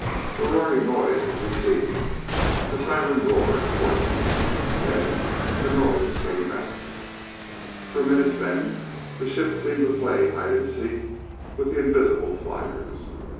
The roaring noise was receding. The siren roared hoarsely. Then the noise came back. For minutes, then, the ship seemed to play hide and seek with the invisible fliers.